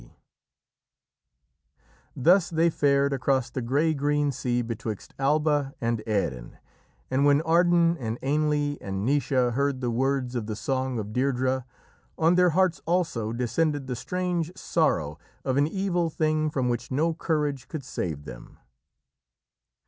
D._ Thus they fared across the grey green sea betwixt Alba and Erin, and when Ardan and Ainle and Naoise heard the words of the song of Deirdrê, on their hearts also descended the strange sorrow of an evil thing from which no courage could save them.